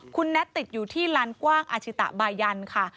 คุณแน็ตติดอยู่ที่ลานกว้างอาชิตะบายันค่ะ